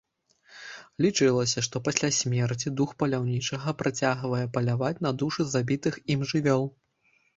Лічылася, што пасля смерці дух паляўнічага працягвае паляваць на душы забітых ім жывёл.